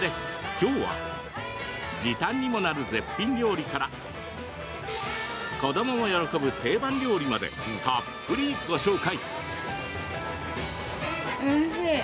きょうは時短にもなる絶品料理から子どもも喜ぶ定番料理までたっぷりご紹介。